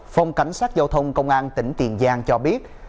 phòng cảnh sát giao thông công an tỉnh tiền giang cho biết